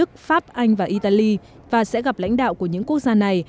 ông obama sẽ đến thăm các nước đức pháp anh và italy và sẽ gặp lãnh đạo của những quốc gia này